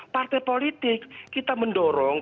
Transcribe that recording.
partai politik kita mendorong